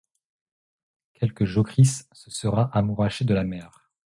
Quelque jocrisse se sera amouraché de la mère.